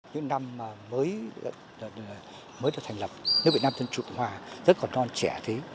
những năm mới được thành lập nước việt nam thân trụ tổng hòa rất còn non trẻ thế